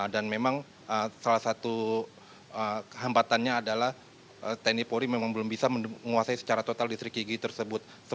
dan memang salah satu kehampatannya adalah tni polri memang belum bisa menguasai secara total distrik yigi tersebut